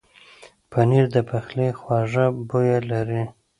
پنېر د پخلي خوږه بویه لري.